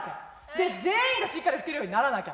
で全員がしっかり吹けるようにならなきゃ。